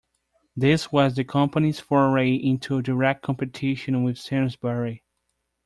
This was the company's foray into direct competition with Sainsbury.